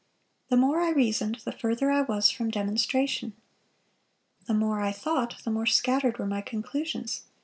The more I reasoned, the further I was from demonstration. The more I thought, the more scattered were my conclusions.